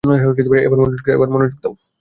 এবার মনোযোগ দাও।